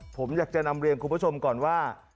ผมอยากจะนำเรียนคุณผู้ชมก่อนว่า